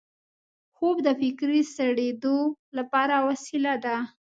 خوب د فکري سړېدو لپاره وسیله ده